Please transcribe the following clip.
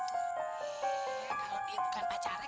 kalo dia bukan pacarnya